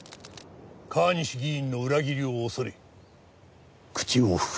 川西議員の裏切りを恐れ口を封じた。